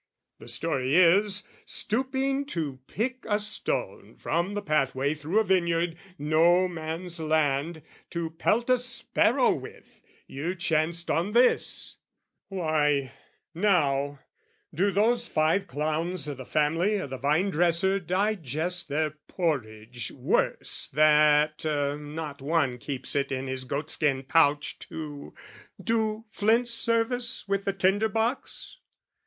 The story is, stooping to pick a stone From the pathway through a vineyard no man's land To pelt a sparrow with, you chanced on this: Why, now, do those five clowns o' the family O' the vinedresser digest their porridge worse That not one keeps it in his goatskin pouch To do flints' service with the tinder box?